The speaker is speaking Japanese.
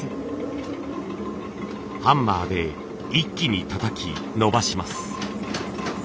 ハンマーで一気にたたき伸ばします。